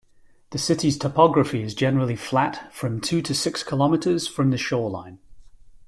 The city's topography is generally flat from two to six kilometers from the shoreline.